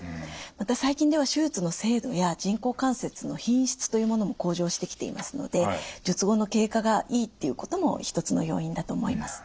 また最近では手術の精度や人工関節の品質というものも向上してきていますので術後の経過がいいっていうことも一つの要因だと思います。